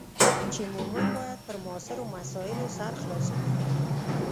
چې مومن باید پر معاصرو مسایلو سر خلاص کړي.